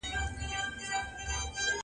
او د مفاهیمو هغه عمق چي -